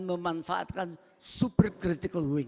memanfaatkan supercritical wing